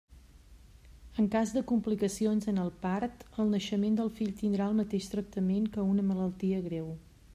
En cas de complicacions en el part, el naixement del fill tindrà el mateix tractament que una malaltia greu.